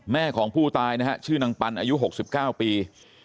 แม่ของผู้ตายนะฮะชื่อนางปันอายุ๖๙ปี